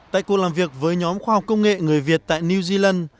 tại cuộc làm việc với nhóm khoa học công nghệ người việt tại new zealand